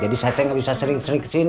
jadi saya nggak bisa sering sering kesini